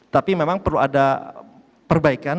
tapi memang perlu ada perbaikan